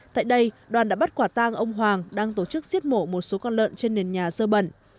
tại đây đoàn đã bắt quả tang ông hoàng đang tổ chức giết mổ một số con lợn trên nền nhà sơ bẩn